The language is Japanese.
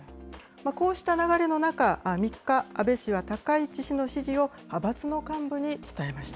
こうした流れの中、３日、安倍氏は高市氏の支持を派閥の幹部に伝えました。